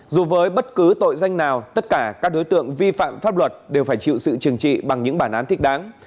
dù với bất cứ tội danh nào tất cả các đối tượng vi phạm pháp luật đều phải chịu sự trừng trị bằng những bản án thích đáng